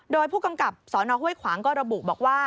โดยผู้กำกับสนห้วยขวางก็ระบุบอกว่า